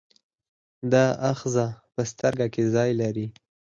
دا آخذه په سترګه کې ځای لري.